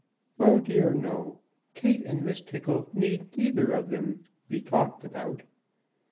"Oh dear no. Kate and Miss Tickle need neither of them be talked about."